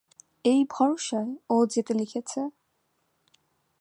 এই ভরসায় ও যেতে লিখেছে।